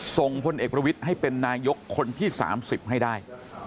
ส่งพลเอกประวิทย์ให้เป็นนายกคนที่๓๐ให้ได้